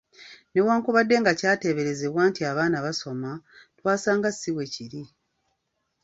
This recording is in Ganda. "Newankubadde nga kyateeberezebwa nti abaana basoma, twasanga si bwekiri."